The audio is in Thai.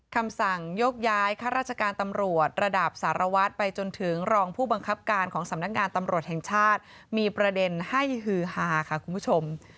คำสั่งยกย้ายข้าราชการตำรวจระดับสารวัตรไปจนถึงรองผู้บังคับการของสำนักงานตำรวจแห่งชาติมีประเด็นให้ฮือฮาค่ะคุณผู้ชม